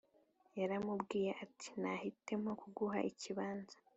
Yaramubwiye ati nahitamo kuguha ikibanza